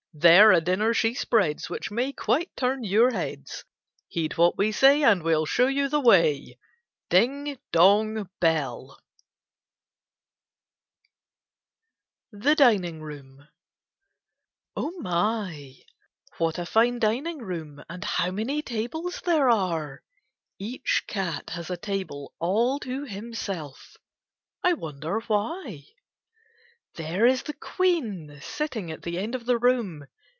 There a dinner she spreads which may quite turn your heads. Heed what we say and we '11 show you the way. Ding, dong, bell ! 72 KITTENS AOT) OATS THE DINING KOOM Oil my ! What a fine dining room, and how many tables there are !», Each eat has a table all to himself. I wonder why. There is the Queen sitting at the end of the room.